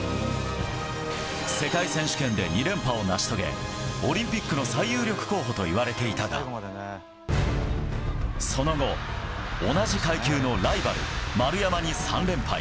世界選手権で２連覇を成し遂げオリンピックの最有力候補といわれていたがその後、同じ階級のライバル丸山に３連敗。